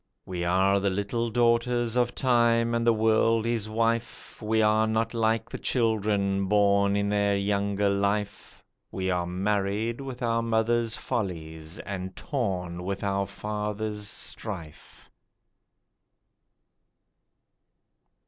We are the little daughters of Time and the World his wife, We are not like the children, born in their younger life, We are marred with our mother's follies and torn with our father's strife.